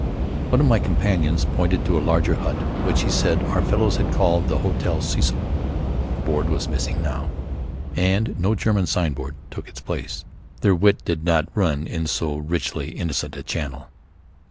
One of my companions pointed to a larger hut which he said our fellows had called the Hotel Cecil. The board was missing now. And no German signboard took its place. Their wit did not run in so richly innocent a channel.